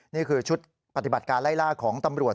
นี่คือชุดปฏิบัติการไล่ล่าของตำรวจ